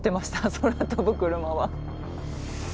空飛ぶクルマは。